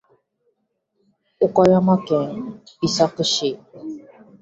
岡山県美作市